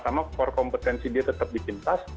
sama sama core kompetensi dia tetap bikin tas